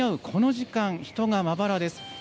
この時間、人がまばらです。